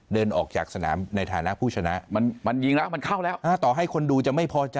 เดินออกจากสนามในฐานะผู้ชนะ